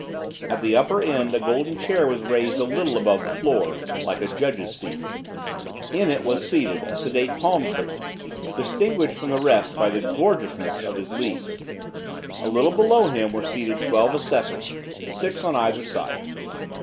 At the upper end a golden chair was raised a little above the floor, like a judge's seat; in it was seated a sedate palm tree, distinguished from the rest by the gorgeousness of his leaves; a little below him were seated twelve assessors, six on either side.